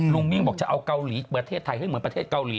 มิ่งบอกจะเอาเกาหลีประเทศไทยให้เหมือนประเทศเกาหลี